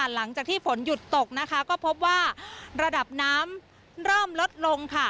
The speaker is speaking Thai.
หลังจากที่ฝนหยุดตกนะคะก็พบว่าระดับน้ำเริ่มลดลงค่ะ